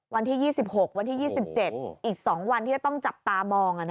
วันที่๒๖วันที่๒๗อีก๒วันที่จะต้องจับตามอง